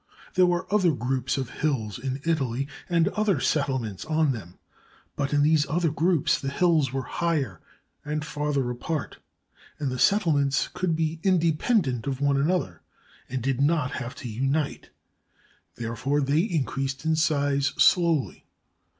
There were other groups of hills in Italy and other settlements on them, but in these other groups, the hills were higher and farther apart, and the settlements could be independ ent of one another and did not have to unite; therefore they increased in size slowly.